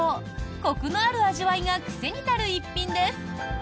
コクのある味わいが癖になる一品です。